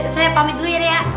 saya pamit dulu ya